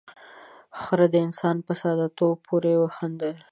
، خره د انسانانو په ساده توب پورې خندل.